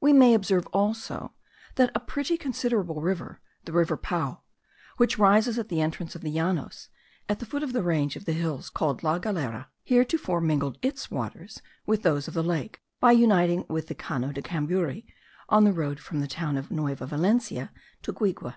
We may observe also, that a pretty considerable river, the Rio Pao, which rises at the entrance of the Llanos, at the foot of the range of hills called La Galera, heretofore mingled its waters with those of the lake, by uniting with the Cano de Cambury, on the road from the town of Nueva Valencia to Guigue.